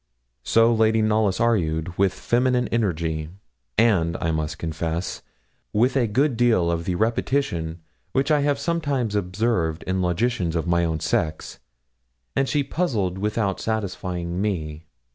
So Lady Knollys argued, with feminine energy, and I must confess, with a good deal of the repetition which I have sometimes observed in logicians of my own sex, and she puzzled without satisfying me.